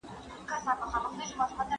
که پلان وي نو کار کيږي.